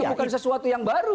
bukan sesuatu yang baru